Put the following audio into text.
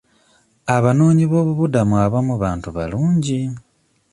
Abanoonyi b'obubudamu abamu bantu balungi.